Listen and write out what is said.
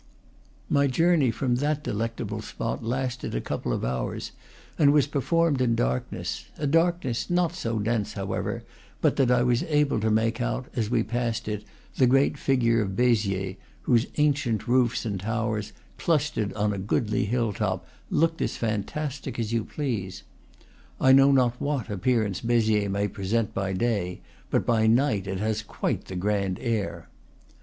My journey from that delectable spot lasted a couple of hours, and was performed in darkness, a darkness not so dense, however, but that I was able to make out, as we passed it, the great figure of Beziers, whose ancient roofs and towers, clustered on a goodly hill top, looked as fantastic as you please. I know not what appearance Beziers may present by day; but by night it has quite the grand air.